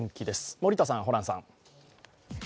森田さん、ホランさん。